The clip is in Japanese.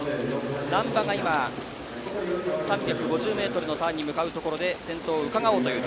難波が３５０ｍのターンに向かうところで先頭をうかがう。